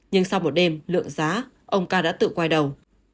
nhưng sau một đêm lượng giá ông ca đã tự quay đầu